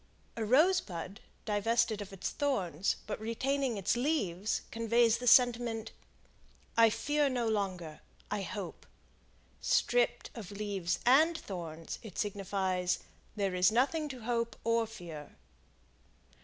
A rosebud divested of its thorns, but retaining its leaves conveys the sentiment. "I fear no longer; I hope." Stripped of leaves and thorns, it signifies, "There is nothing to hope or fear."